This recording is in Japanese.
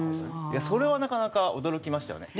それはなかなか驚きましたよね。